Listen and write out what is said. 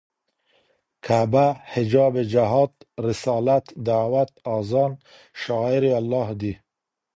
کعبه، حجاب جهاد، رسالت، دعوت، اذان....شعائر الله دي